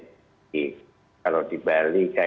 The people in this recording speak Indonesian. istri memang negeri negeri adanya kami